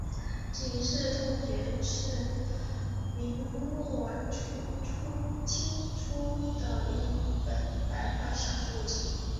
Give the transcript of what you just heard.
警世通言是明末清初的一本白话小说集。